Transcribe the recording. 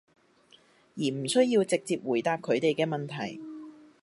而唔需要直接回答佢哋嘅問題